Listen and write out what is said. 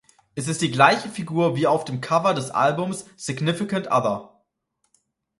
Es ist die gleiche Figur wie auf dem Cover des Albums "Significant Other".